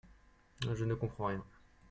Je ne comprends rien.